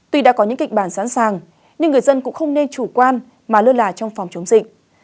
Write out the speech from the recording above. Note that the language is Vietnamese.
tuy đã có những kịch bản sẵn sàng nhưng người dân cũng không nên chủ quan mà lơ là trong phòng chống dịch